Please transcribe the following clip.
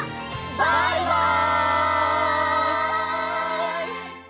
バイバイ！